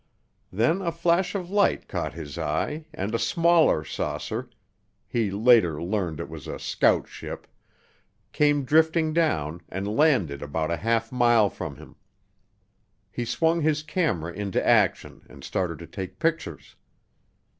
Then, a flash of light caught his eye and a smaller saucer (he later learned it was a "scout ship") came drifting down and landed about a half mile from him. He swung his camera into action and started to take pictures.